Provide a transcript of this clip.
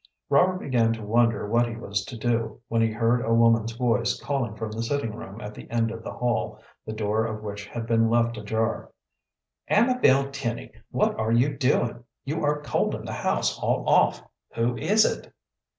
Robert began to wonder what he was to do, when he heard a woman's voice calling from the sitting room at the end of the hall, the door of which had been left ajar: "Amabel Tenny, what are you doin'? You are coldin' the house all off! Who is it?"